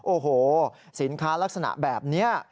โอ้โหสินค้าลักษณะแบบนี้